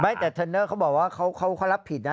แต่เทรนเนอร์เขาบอกว่าเขารับผิดนะ